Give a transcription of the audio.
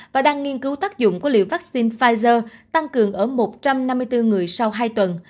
và đang nghiên cứu tác dụng của liều vaccine pfizer tăng cường ở một trăm năm mươi bốn người sau hai tuần